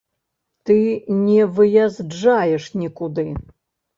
Ты не выязджаеш нікуды.